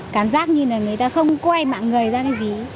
cảm giác như là người ta không quay mạng người ra cái gì